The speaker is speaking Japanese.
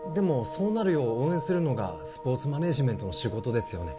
そうなるよう応援するのがスポーツマネージメントの仕事ですよね？